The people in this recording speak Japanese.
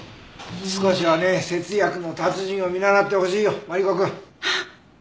少しはね節約の達人を見習ってほしいよマリコくん。あっ！